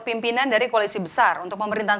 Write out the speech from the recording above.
pimpinan dari koalisi besar untuk pemerintahan